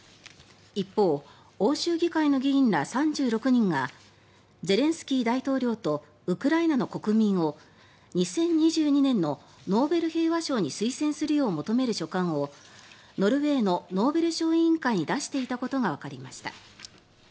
一方、欧州議会の議員ら３６人がゼレンスキー大統領とウクライナの国民を２０２２年のノーベル平和賞に推薦するよう求める書簡をノルウェーのノーベル賞委員会に出していたことがわかりました。